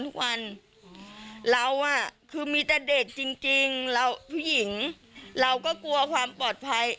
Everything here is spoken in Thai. ทุกวันเราอ่ะคือมีแต่เด็กจริงเราผู้หญิงเราก็กลัวความปลอดภัย